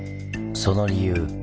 その理由